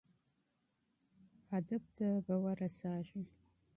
منزل ته به ورسیږئ.